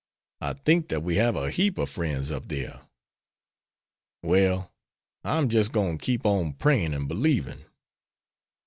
"I think that we have a heap of friends up there." "Well, I'm jis' gwine to keep on prayin' an' b'lievin'."